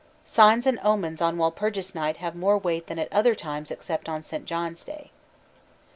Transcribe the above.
Signs and omens on Walpurgis Night have more weight than at other times except on St. John's Day.